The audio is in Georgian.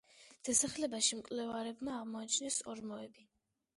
დასახლებაში მკვლევარებმა აღმოაჩინეს ორმოები.